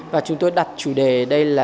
và chúng tôi đặt chủ đề đây là